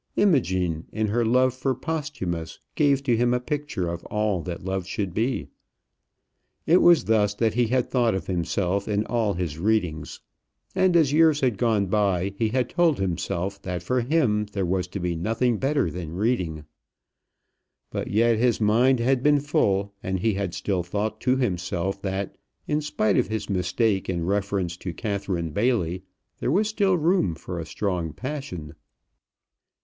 Imogen, in her love for Posthumus, gave to him a picture of all that love should be. It was thus that he had thought of himself in all his readings; and as years had gone by, he had told himself that for him there was to be nothing better than reading. But yet his mind had been full, and he had still thought to himself that, in spite of his mistake in reference to Catherine Bailey, there was still room for a strong passion.